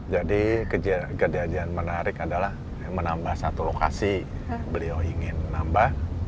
jadi kejadian menarik adalah menambah satu lokasi beliau ingin menambah